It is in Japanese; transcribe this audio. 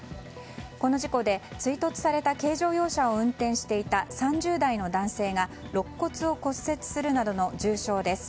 この事故で、追突された軽乗用車を運転していた３０代の男性がろっ骨を骨折するなどの重傷です。